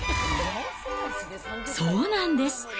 そうなんです。